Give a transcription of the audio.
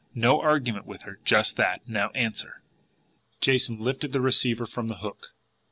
No argument with her just that. Now, answer!" Jason lifted the receiver from the hook.